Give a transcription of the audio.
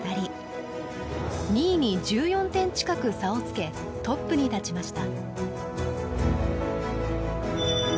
２位に１４点近く差をつけトップに立ちました。